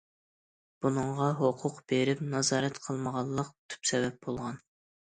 بۇنىڭغا ھوقۇق بېرىپ، نازارەت قىلمىغانلىق تۈپ سەۋەب بولغان.